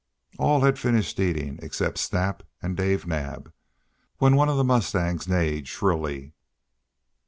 All had finished eating, except Snap and Dave Naab, when one of the mustangs neighed shrilly.